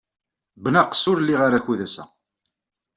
Bnaqes, ur liɣ ara akud ass-a.